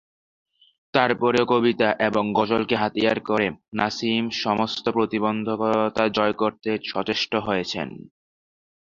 তারপরেও কবিতা এবং গজলকে হাতিহার করে নাসিম সমস্ত প্রতিবন্ধকতা জয় করতে সচেষ্ট হয়েছেন।